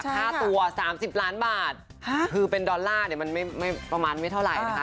ค่าตัว๓๐ล้านบาทคือเป็นดอลลาร์เนี่ยมันไม่ประมาณไม่เท่าไหร่นะคะ